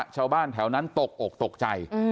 ชาวบ้านแถวนั้นตกอกตกใจ